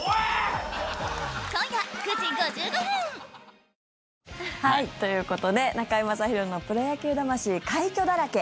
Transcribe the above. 今夜９時５５分。ということで「中居正広のプロ野球魂快挙だらけ！